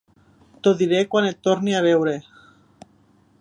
T"ho diré quan et torni a veure.